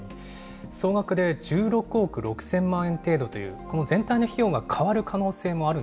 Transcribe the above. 総額で１６億６０００万円程度という、この全体の費用が変わ